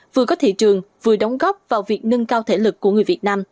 vừa có thị trường vừa đóng góp vào việc nâng cao thể lực của người việt nam